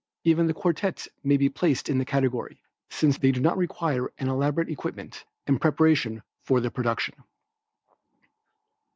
Even the quartets may be placed in the category since they do not require an elaborate equipment and preparation for their production.